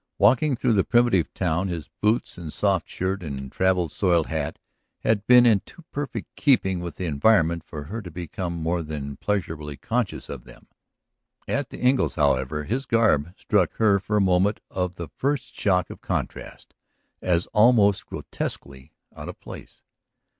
Walking through the primitive town his boots and soft shirt and travel soiled hat had been in too perfect keeping with the environment for her to be more than pleasurably conscious of them. At the Engles', however, his garb struck her for a moment of the first shock of contrast, as almost grotesquely out of place.